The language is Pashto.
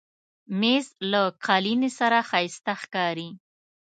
مېز له قالینې سره ښایسته ښکاري.